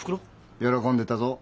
喜んでたぞ。